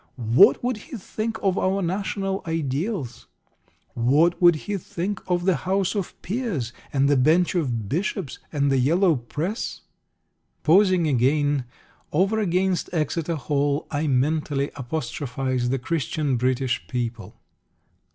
What would he think of our national ideals? What would He think of the House of Peers, and the Bench of Bishops, and the Yellow Press? Pausing again, over against Exeter Hall, I mentally apostrophise the Christian British people.